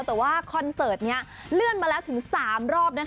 แต่ว่าคอนเสิร์ตนี้เลื่อนมาแล้วถึง๓รอบ